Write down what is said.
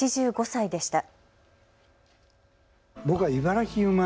８５歳でした。